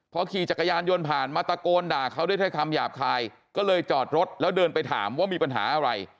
พอขี่จักรยานยนต์ผ่านมาตะโกนด่าเขาด้วยคำหยาบคายก็เลยจอดรถแล้วเดินไปถามว่ามีปัญหาอะไร